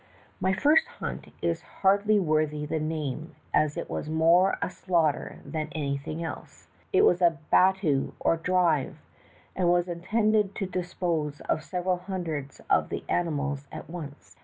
" My first hunt is hardly worthy the name, as it was more a slaughter than anything else. It was a battue, or 'drive,' and was intended to dispose of several hundreds of the animals at once.